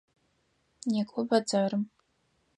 Некӏо бэдзэрым!